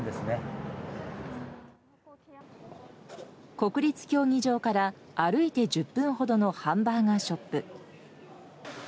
国立競技場から歩いて１０分ほどのハンバーガーショップ。